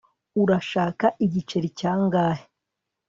urashaka igiceri cy'angahe